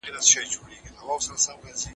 هغې هوسۍ